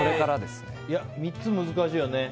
３つ、難しいよね。